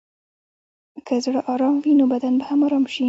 که زړه ارام وي، نو بدن به هم ارام شي.